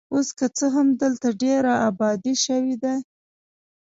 اوس که څه هم دلته ډېره ابادي شوې ده.